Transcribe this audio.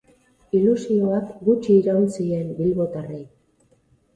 Ilusioak gutxi iraun zien bilbotarrei.